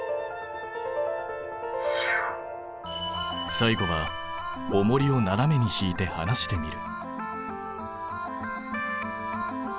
最後はおもりをななめにひいてはなしてみる。